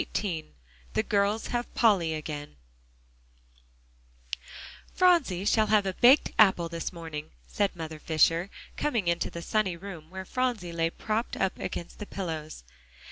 XVIII THE GIRLS HAVE POLLY AGAIN "Phronsie shall have a baked apple this morning," said Mother Fisher, coming into the sunny room where Phronsie lay propped up against the pillows.